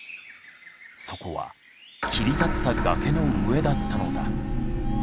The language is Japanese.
そこは切り立った崖の上だったのだ。